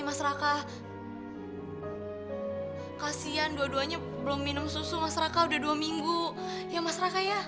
mas raka kasian dua duanya belum minum susu mas raka udah dua minggu ya mas raka ya